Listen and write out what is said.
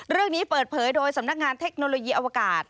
เรื่องนี้เปิดเผยโดยสำนักงานเทคโนโลยีอวกาศ